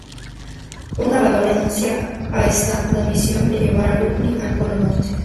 Un narrador anuncia a Stan la misión de llevar a Britney al Polo Norte.